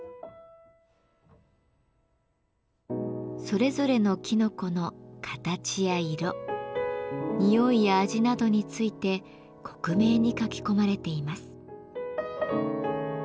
それぞれのきのこの形や色匂いや味などについて克明に書き込まれています。